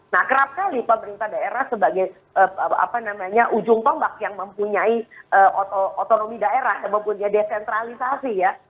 nah kerap kali pemerintah daerah sebagai ujung tombak yang mempunyai otonomi daerah yang mempunyai desentralisasi ya